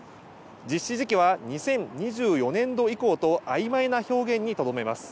実施時期は２０２４年度以降とあいまいな表現にとどめます。